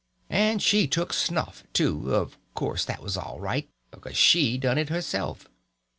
And she took snuff, too; of course that was all right, because she done it herself.